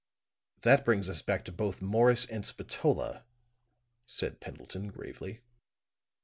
"That brings us back to both Morris and Spatola," said Pendleton, gravely.